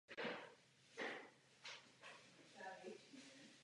Revidovaná smlouva je prostředek, ne cíl.